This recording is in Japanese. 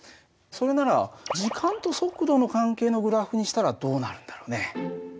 それなら時間と速度の関係のグラフにしたらどうなるんだろうね？